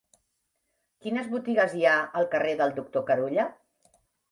Quines botigues hi ha al carrer del Doctor Carulla?